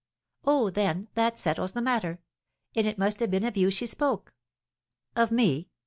"Oh, then, that settles the matter! And it must have been of you she spoke." "Of me?"